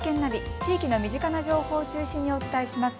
地域の身近な情報を中心にお伝えします。